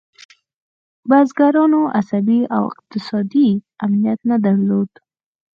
بزګرانو عصبي او اقتصادي امنیت نه درلود.